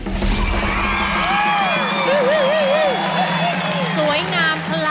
สวยงามพลาสติกสะพานข้ามแม่น้ำแขวนนะครับ